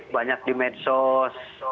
banyak di medsos